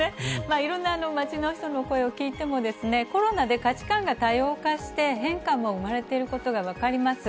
いろんな街の人の声を聞いても、コロナで価値観が多様化して、変化も生まれていることが分かります。